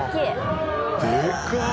でかっ！